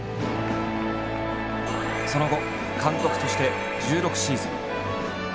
その後監督として１６シーズン。